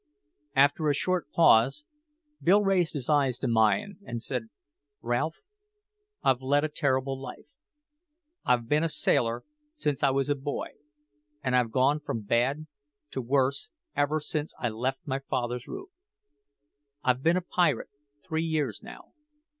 After a short pause, Bill raised his eyes to mine and said, "Ralph, I've led a terrible life. I've been a sailor since I was a boy, and I've gone from bad to worse ever since I left my father's roof. I've been a pirate three years now.